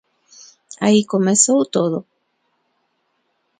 Aí comezou todo.